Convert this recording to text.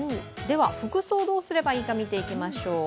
服装どうすればいいか見ていきましょう。